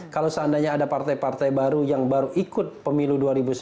kalau seandainya ada partai partai baru yang baru ikut pemilu dua ribu sembilan belas